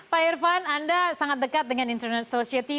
pak irvan anda sangat dekat dengan internet society